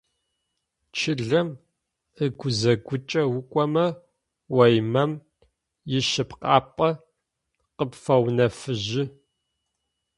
Чылэм ыгузэгукӏэ укӏомэ уаимэм ишъыпкъапӏэ къыпфэунэфыжьы.